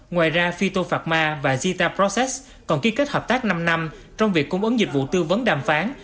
ngoài ra phytopharma và zeta process còn ký kết hợp tác năm năm trong việc cung ứng dịch vụ tư vấn đàm phán